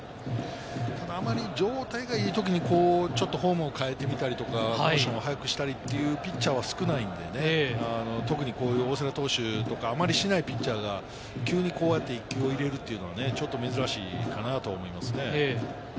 あまり状態がいいときにフォームを変えてみたりとか、モーションを早くしたりというピッチャーは少ないんで、特に大瀬良投手とか、あまりしないピッチャーが急にこうやって、１球入れるというのは珍しいかなって思いますね。